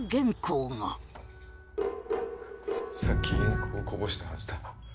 さっきインクをこぼしたはずだ。